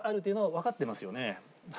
わかってますよね